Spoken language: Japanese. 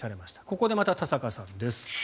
ここでまた田坂さんです。